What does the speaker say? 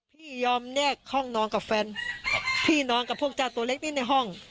พี่ยอมแยกห้องนอนกับแฟนพี่นอนกับพวกเจ้าตัวเล็กนี้ในห้อง